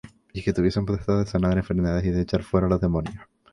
Y que tuviesen potestad de sanar enfermedades, y de echar fuera demonios: